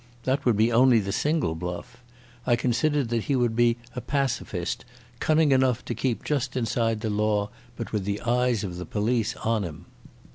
That would be only the Single Bluff. I considered that he would be a pacifist, cunning enough just to keep inside the law, but with the eyes of the police on him.